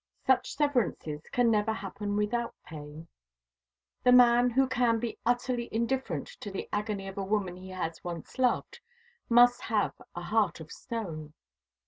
Such severances can never happen without pain. The man who can be utterly indifferent to the agony of a woman he has once loved must have a heart of stone.